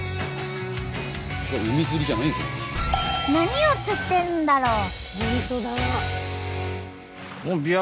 何を釣ってるんだろう？